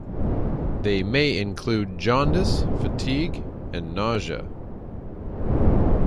They may include jaundice, fatigue and nausea.